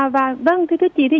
vâng thưa thưa chị